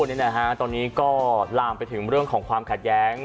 วันนี้นะฮะตอนนี้ก็ลามไปถึงเรื่องของความขัดแย้ง